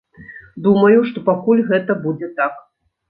Думаю, што пакуль гэта будзе так.